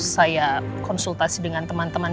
saya konsultasi dengan teman teman